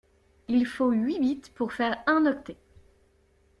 Il faut huit bits pour faire un octet.